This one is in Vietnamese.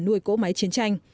nuôi cỗ máy chiến tranh